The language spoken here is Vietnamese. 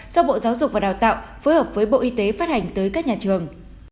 do bộ giáo dục và đào tạo phối hợp với bộ y tế phát hành tới các nhà trường